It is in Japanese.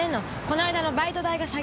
この間のバイト代が先。